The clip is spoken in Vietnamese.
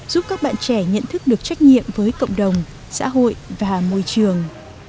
giúp các bạn trẻ nhận thức được trách nhiệm với cộng đồng xã hội và môi trường